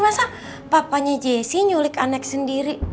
masa papanya jessi nyulik anak sendiri